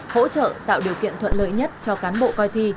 hỗ trợ tạo điều kiện thuận lợi nhất cho cán bộ coi thi